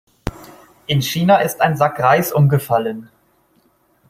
In China ist ein Sack Reis umgefallen.